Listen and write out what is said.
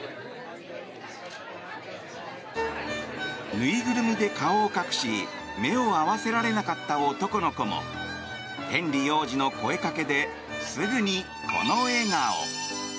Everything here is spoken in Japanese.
ぬいぐるみで顔を隠し目を合わせられなかった男の子もヘンリー王子の声かけですぐにこの笑顔。